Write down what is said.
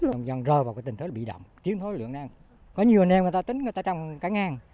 dần dần rơi vào cái tình thức bị động chiến thối lượng năng có nhiều nên người ta tính người ta trong cái ngang